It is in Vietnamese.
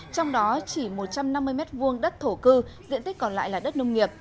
trong đó chỉ một trăm năm mươi m hai đất thổ cư diện tích còn lại là đất nông nghiệp